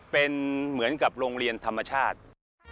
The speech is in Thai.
เป็นเหมือนกับโรงเรียนธรรมชาติ